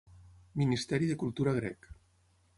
Ministeri de Cultura grec.